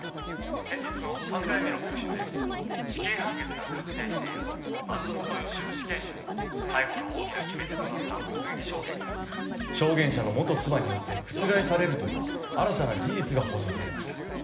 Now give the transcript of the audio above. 先日の３回目の特集で死刑判決が確定している松本良夫死刑囚の逮捕の大きな決め手となった目撃証言が証言者の元妻によって覆されるという新たな事実が放送されました。